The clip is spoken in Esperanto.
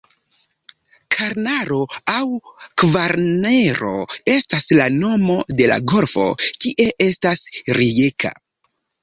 Karnaro aŭ Kvarnero estas la nomo de la golfo kie estas Rijeka.